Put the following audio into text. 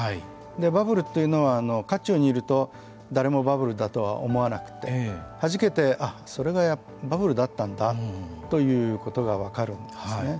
バブルというのは渦中にいると誰もバブルだとは思わなくてはじけてそれがバブルだったんだということが分かるんですね。